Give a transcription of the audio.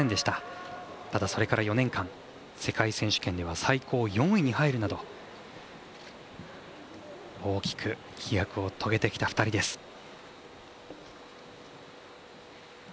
ただ、それから４年間世界選手権では最高４位に入るなど大きく飛躍を遂げてきた２人です。